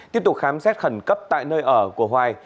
tiếp tục khám xét khẩn cấp tại nơi ở của hoài